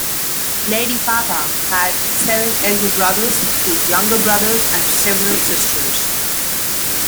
Lady Fuca had seven elder brothers, two younger brothers, and several sisters.